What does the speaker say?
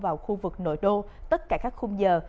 vào khu vực nội đô tất cả các khung giờ